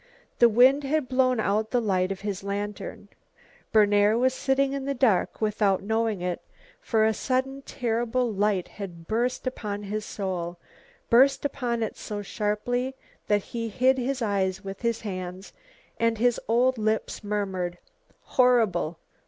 The wind had blown out the light of his lantern; Berner was sitting in the dark without knowing it, for a sudden terrible light had burst upon his soul, burst upon it so sharply that he hid his eyes with his hands, and his old lips murmured, "Horrible!